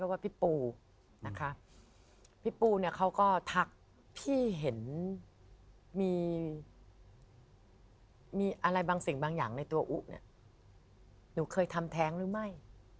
ว่ามีอะไรบางสิ่งบางอย่างในตัวอู๋เนี่ยหนูเคยทำแท้งหรือไม่